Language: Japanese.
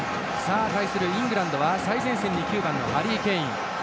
対するイングランドは最前線に９番のハリー・ケイン。